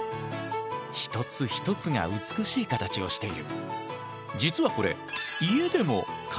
一つ一つが美しい形をしている。